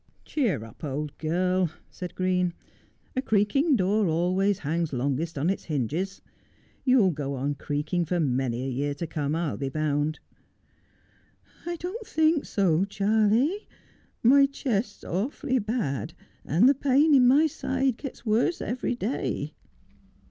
'Cheer up, old girl,' said Green ; 'a creaking door always hangs longest on its hinges. You'll go on creaking for many a year to come, I'll be bound.' ' I don't think so, Charley. My chest's awfully bad, and the pain in my side gets worse every day.'